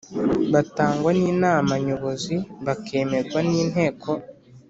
batangwa n Inama Nyobozi bakemerwa n Inteko